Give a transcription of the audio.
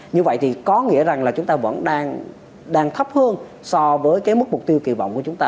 như vậy thì có nghĩa rằng là chúng ta vẫn đang thấp hơn so với cái mức mục tiêu kỳ vọng của chúng ta